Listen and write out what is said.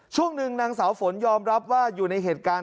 ช่วงหนึ่งนางสาวฝนยอมรับว่าอยู่ในเหตุการณ์